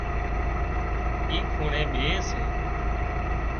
اِي کونڻي ٻيهي سي